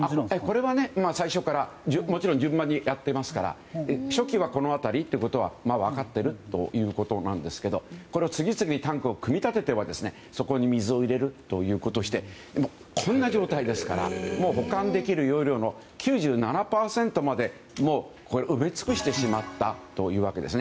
これは最初からもちろん順番にやっていますから初期はこの辺りということは分かっているんですが次々にタンクを組み立ててはそこに水を入れるということでこんな状態ですから保管できる容量の９７％まで埋め尽くしてしまったというわけです。